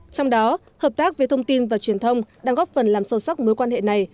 trong đó hợp tác về thông tin và truyền thông đang góp phần làm sâu sắc mối quan hệ này